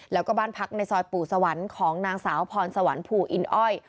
แล้วก็บ้านพักในซอยปู่สวรรค์ของนางสาวพรสวรรค์ภูอินอ้อย